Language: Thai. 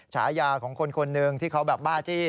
ฉายาของคนคนหนึ่งที่เขาแบบบ้าจี้